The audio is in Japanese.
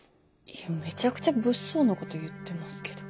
いやめちゃくちゃ物騒なこと言ってますけど。